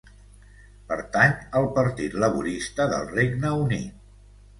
Pertany al Partit Laborista del Regne Unit.